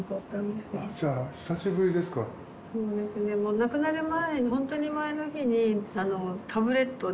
亡くなる前にほんとに前の日にあのタブレットで。